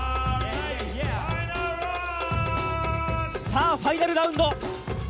さあファイナルラウンド！